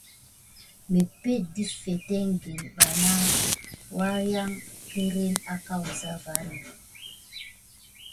Wayaŋ kà mepente di fitetke bana wuyara kirani wuza va.